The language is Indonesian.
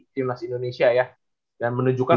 tim nas indonesia ya dan menunjukkan